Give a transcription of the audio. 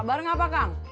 sabar gak pak haji